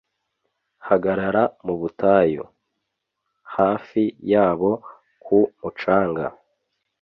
hagarara mu butayu. .. hafi yabo, ku mucanga,